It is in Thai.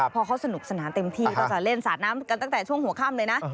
พอเขาสนุกสนานเต็มที่ก็จะเล่นสาดน้ำกันตั้งแต่ช่วงหัวค่ำเลยนะ